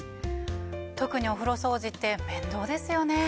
特にお風呂掃除って面倒ですよね。